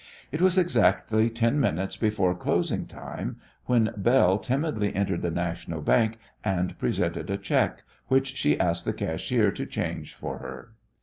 It was exactly ten minutes before closing time when Belle timidly entered the National Bank and presented a cheque, which she asked the cashier to change for her.